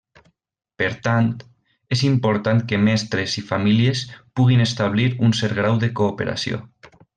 Per tant, és important que mestres i famílies puguin establir un cert grau de cooperació.